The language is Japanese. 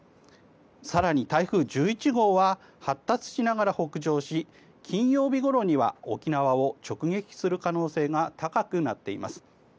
更に、台風１１号は発達しながら北上し金曜日ごろには沖縄を直撃する可能性が高くなっています。